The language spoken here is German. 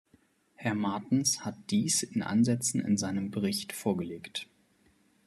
Herr Martens hat dies in Ansätzen in seinem Bericht vorgelegt.